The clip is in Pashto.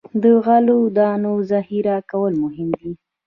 د غلو دانو ذخیره کول مهم دي.